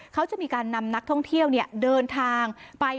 เขาจะมีการนำนักท่องเที่ยวเดินทางไป